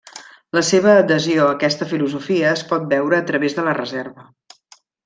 La seva adhesió a aquesta filosofia es pot veure a través de la reserva.